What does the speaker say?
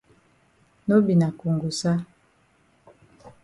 No be na kongosa.